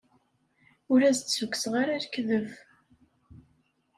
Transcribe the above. Ur as-d-ssukkseɣ ara lekdeb.